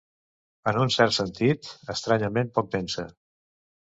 En un cert sentit, estranyament poc densa.